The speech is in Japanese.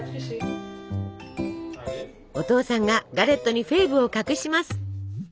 お父さんがガレットにフェーブを隠します。